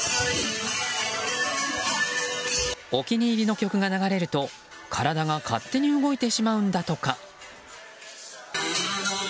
お気に入りの曲が流れると体が勝手に動いてしまうんだとか。